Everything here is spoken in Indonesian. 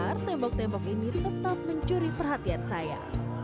maka tembok tembok ini tetap mencuri perhatian saya